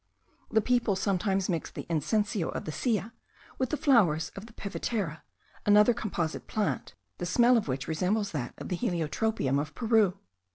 The people sometimes mix the incienso of the Silla with the flowers of the pevetera, another composite plant, the smell of which resembles that of the heliotropium of Peru.